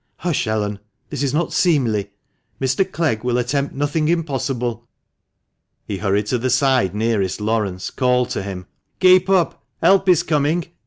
"Hush, Ellen! This is not seemly. Mr. Clegg will attempt nothing impossible." He hurried to the side nearest Laurence ; called to him, "Keep up; help is coming!"